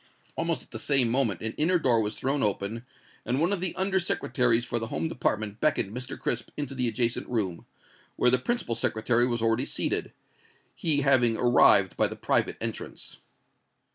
Almost at the same moment an inner door was thrown open, and one of the Under Secretaries for the Home Department beckoned Mr. Crisp into the adjacent room, where the principal Secretary was already seated, he having arrived by the private entrance.